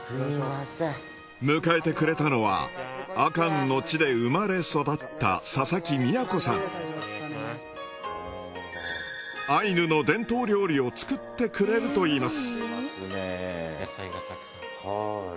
迎えてくれたのは阿寒の地で生まれ育ったアイヌの伝統料理を作ってくれるといいます。